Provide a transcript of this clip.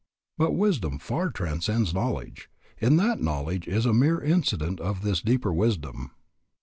But wisdom far transcends knowledge, in that knowledge is a mere incident of this deeper wisdom.